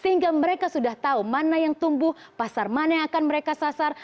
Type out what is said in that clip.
sehingga mereka sudah tahu mana yang tumbuh pasar mana yang akan mereka sasar